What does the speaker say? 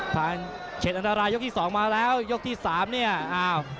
เฉดอันตรายยกที่สองมาแล้วยกที่สามเนี่ยอ้าว